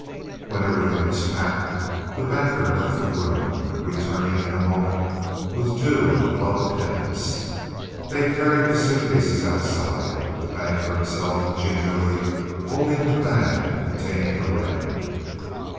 When everything was packed the Banker left the room, returning in a moment with two of the club attendants. They carried the suit cases outside, the Banker himself gingerly holding the bag containing the ring.